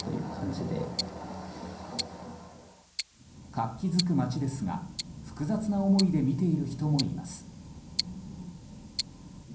活気づく街ですが複雑な思いで見ている人もいます。